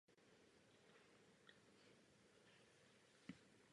Světové rekordy jsou označeny tučně.